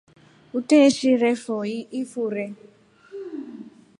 Uteeshirefo ifure.